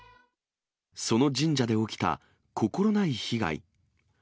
その神社で起きた心ない被害。